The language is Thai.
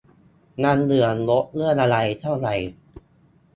ยังเหลืองบเรื่องอะไรเท่าไหร่